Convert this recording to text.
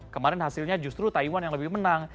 kemarin hasilnya justru taiwan yang lebih menang